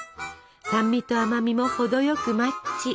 酸味と甘みも程よくマッチ。